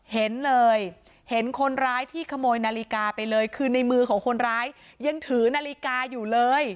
เห็นเลยเห็นคนร้ายที่ขโมยนาฬิกาไปเลยคือในมือของคนร้ายยังถือนาฬิกาอยู่เลย